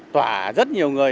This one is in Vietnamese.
tỏa rất nhiều người